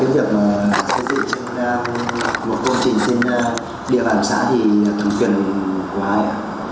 thế giao trị là cái việc xây dựng một công trình trên địa bàn xã thì cần của ai ạ